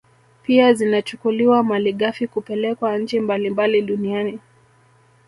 Pia zinachukuliwa malighafi kupelekwa nchi mbalimbali duniani